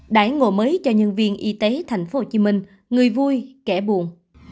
đái ngộ mới cho nhân viên y tế tp hcm người vui kẻ buồn